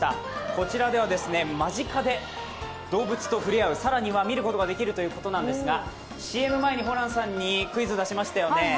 こちらでは間近で動物とふれあう、更には見ることができるということですがＣＭ前にホランさんにクイズ出しましたよね。